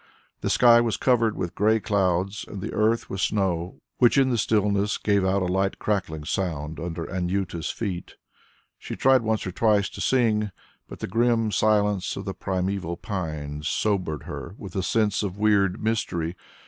The sky was covered with grey clouds and the earth with snow, which in the stillness gave out a light crackling sound under Anjuta's feet. She tried once or twice to sing, but the grim silence of the primeval pines sobered her with a sense of weird mystery.